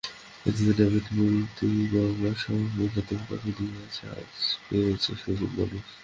এতদিন অমিত মূর্তি গড়বার শখ মেটাত কথা দিয়ে, আজ পেয়েছে সজীব মানুষ।